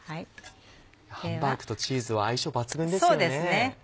ハンバーグとチーズは相性抜群ですよね。